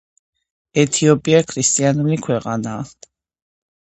ეთიოპია ქრისტიანული ქვეყანაა.